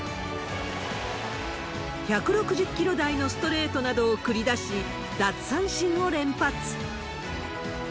１６０キロ台のストレートなどを繰り出し、奪三振を連発。